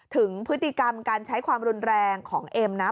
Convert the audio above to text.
ถึงพฤติกรรมการใช้ความรุนแรงของเอ็มนะ